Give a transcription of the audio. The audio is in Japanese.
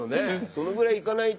そのぐらいいかないと。